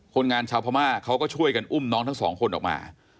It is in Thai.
คนงานชาวพม่าเขาก็ช่วยกันอุ้มน้องทั้งสองคนออกมา